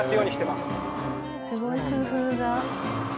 すごい工夫だ。